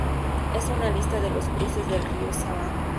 Esta es una lista de los cruces del río Savannah.